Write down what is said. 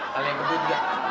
kalian kebut gak